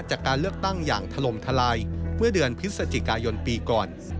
จากการเลือกตั้งอย่างถล่มทลายเมื่อเดือนพฤศจิกายนปีก่อน